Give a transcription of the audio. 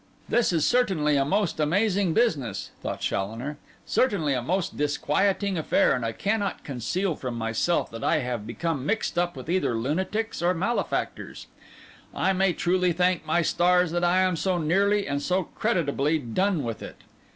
'This is certainly a most amazing business,' thought Challoner; 'certainly a most disquieting affair; and I cannot conceal from myself that I have become mixed up with either lunatics or malefactors. I may truly thank my stars that I am so nearly and so creditably done with it.